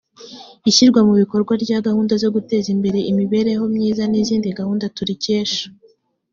ishyirwa mu bikorwa rya gahunda zo guteza imbere imibereho myiza n’izindi gahunda turikesha